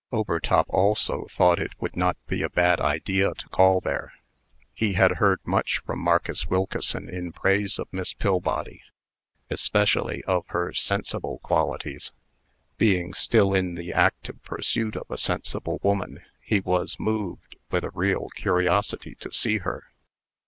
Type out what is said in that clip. Overtop also thought it would not be a bad idea to call there. He had heard much from Marcus Wilkeson in praise of Miss Pillbody, especially of her sensible qualities. Being still in the active pursuit of a sensible woman, he was moved with a real curiosity to see her.